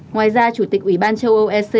ngoài ra chủ tịch ủy ban châu âu ec